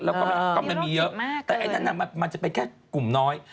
แล้วก็มันมีเยอะแต่ไอ้นั้นมันจะเป็นแค่กลุ่มน้อย